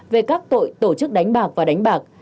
về các tội tổ chức đánh bạc và đánh bạc